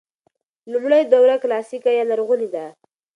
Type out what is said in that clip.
لومړۍ دوره کلاسیکه یا لرغونې ده.